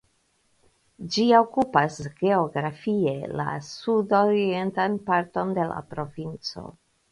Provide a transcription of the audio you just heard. Ĝi okupas geografie la sudorientan parton de la provinco.